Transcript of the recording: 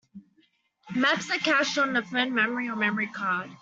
Maps are cached on the phone memory or memorycard.